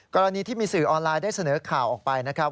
กรณีที่มีสื่อออนไลน์ได้เสนอข่าวออกไปนะครับ